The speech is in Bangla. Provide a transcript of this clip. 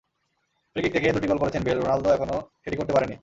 ফ্রি কিক থেকে দুটি গোল করেছেন বেল, রোনালদো এখনো সেটি করতে পারেননি।